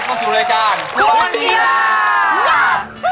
ขอสำรับผู้สิวรายการฮูวนกีลา